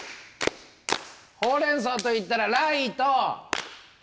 ほうれんそうと言ったらライト。